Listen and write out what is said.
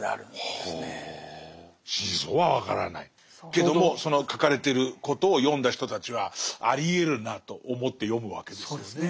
けどもその書かれてることを読んだ人たちはありえるなと思って読むわけですよね。